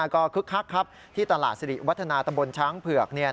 ก็คึกคักครับที่ตลาดสิริวัฒนาตำบลช้างเผือก